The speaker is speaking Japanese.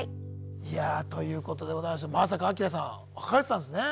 いやということでございましてまさかアキラさん別れてたんですね。